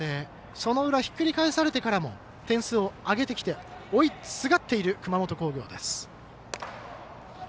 その裏、ひっくり返されてからも点数を上げてきて追いすがっている熊本工業です。